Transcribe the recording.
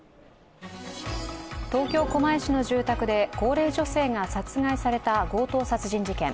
東京・狛江市の住宅で高齢女性が殺害された強盗殺人事件。